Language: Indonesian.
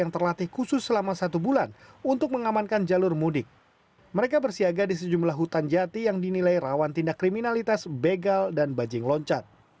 mereka juga menyebar belasan timbakan tindak kriminalitas begal dan bajing loncat